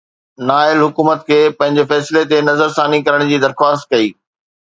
نااهل حڪومت کي پنهنجي فيصلي تي نظرثاني ڪرڻ جي درخواست ڪئي